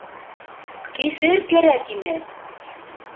— Кишер кәрәк ине.